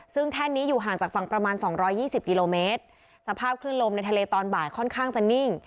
ซึ่งแท่นนี้อยู่ห่างจากฝั่งประมาณสองร้อยยี่สิบกิโลเมตรสภาพคลื่นลมในทะเลตอนบ่ายค่อนข้างจะนิ่ง